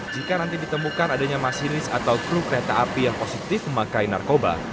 jika nanti ditemukan adanya masinis atau kru kereta api yang positif memakai narkoba